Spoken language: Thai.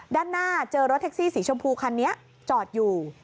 ด้านหน้าเจอรถแท็กซี่สีชมพูคันนี้จอดอยู่